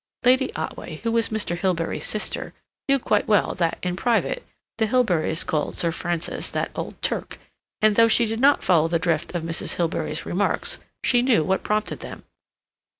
Lady Otway, who was Mr. Hilbery's sister, knew quite well that, in private, the Hilberys called Sir Francis "that old Turk," and though she did not follow the drift of Mrs. Hilbery's remarks, she knew what prompted them.